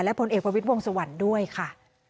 ผลเอกประวิทย์วงสวรรค์ด้วยค่ะ